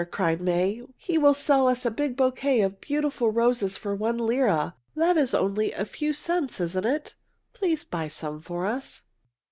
cried May. "He will sell us a big bouquet of beautiful roses for one lira. That is only a few cents, isn't it? Please buy some for us."